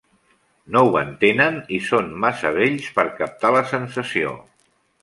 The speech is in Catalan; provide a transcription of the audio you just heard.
No ho entenen i són massa vells per captar la sensació.